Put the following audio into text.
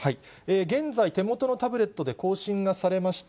現在、手元のタブレットで行進がされました。